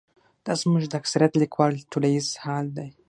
دا زموږ د اکثریت لیکوالو ټولیز حال دی.